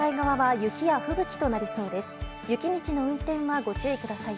雪道の運転はご注意ください。